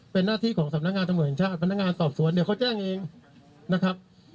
เป็นหน้าที่ของสำนักงานตำรวจแห่งชาติพนักงานสอบสวนเดี๋ยวเขาแจ้งเองนะครับ